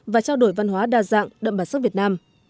và trao đổi văn hóa đa dạng đậm bản sắc việt nam